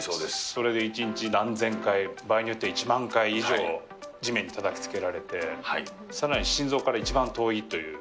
それで１日何千回、場合によっては１万回以上地面にたたきつけられて、さらに心臓から一番遠いという。